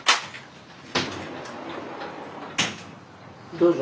どうぞ。